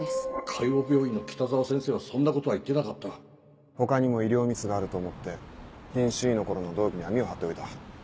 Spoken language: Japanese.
海王病院の北澤先生はそんな他にも医療ミスがあると思って研修医の頃の同期に網を張っておいた。